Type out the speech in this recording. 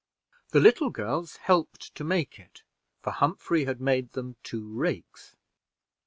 The little girls helped to make it, for Humphrey had made them two rakes.